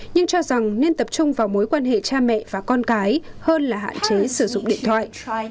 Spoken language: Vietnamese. nhưng cho rằng nên tập trung vào mối quan hệ cha mẹ và con cái hơn là hạn chế sử dụng điện thoại